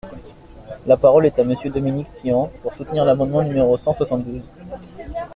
La parole est à Monsieur Dominique Tian, pour soutenir l’amendement numéro cent soixante-douze.